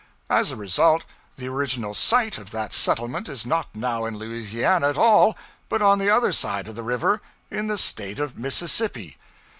As a result, the original _site _of that settlement is not now in Louisiana at all, but on the other side of the river, in the State of Mississippi.